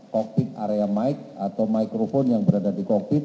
koktik area mic atau microphone yang berada di koktik